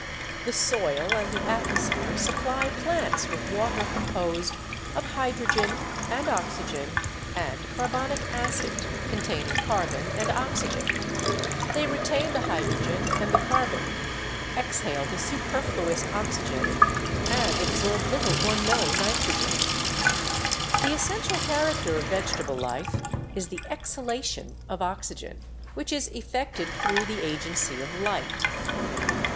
The soil and the at mosphere supply plants with water composed of hydrogen and oxygen and carbonic acid containing carbon and oxy gen. They retain the hydrogen and the carbon, exhale the superfluous oxygen and absorb little or no nitrogen. The essential character of vegetable life is the exhalation of oxygen, which is effected through the agency of light.